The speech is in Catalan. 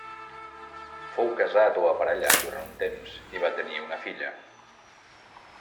Fou casat o aparellat durant un temps i va tenir una filla.